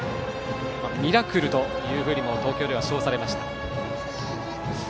ミラクルというふうにも東京では称されました。